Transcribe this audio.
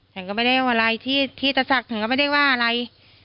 ฉันก็ไม่ได้เอาอะไรที่ตะศักดิ์ก็ไม่ได้ว่าอะไร